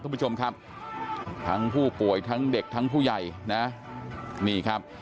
คุณผู้ชมครับทั้งผู้ป่วยทั้งเด็กทั้งผู้ใหญ่นะนี่ครับ